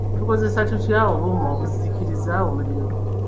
Tukozesa tutya obuuma obuzikiriza omuliro?